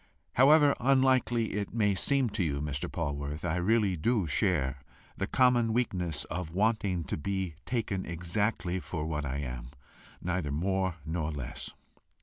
However unlikely it may seem to you, Mr. Polwarth, I really do share the common weakness of wanting to be taken exactly for what I am, neither more nor less."